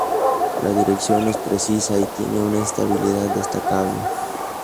La dirección es precisa y tiene una estabilidad destacable.